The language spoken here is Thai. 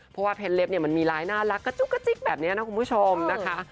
เพราะว่าเพชรเล็บเนี่ยมันมีลายน่ารักกระจุกกระจิ๊กแบบนี้นะคุณผู้ชมนะคะ